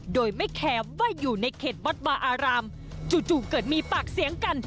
โดยไม่แคมว่าอยู่ในเขตวัดบาอารามจู่เกิดมีปากเสียงกัน